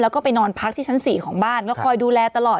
แล้วก็ไปนอนพักที่ชั้น๔ของบ้านก็คอยดูแลตลอด